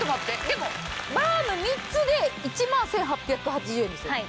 でもバーム３つで１万１８８０円ですよね。